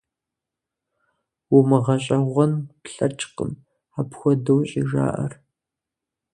Умыгъэщӏэгъуэн плъэкӏкъым апхуэдэу щӏыжаӏэр.